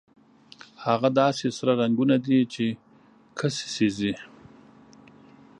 هغه داسې سره رنګونه دي چې کسي سېزي.